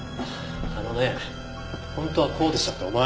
あのね「本当はこうでした」ってお前。